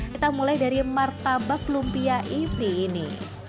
kita mulai dari martabak lumpia isi ini